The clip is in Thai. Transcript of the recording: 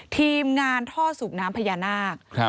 ทีมงานท่อสูบน้ำพญานาค